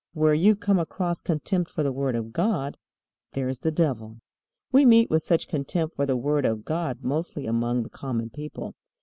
Where you come across contempt for the Word of God, there is the devil. We meet with such contempt for the Word of God mostly among the common people.